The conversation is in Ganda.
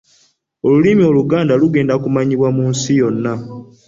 Olulimi Oluganda lugenda kumanyibwa mu nsi yonna.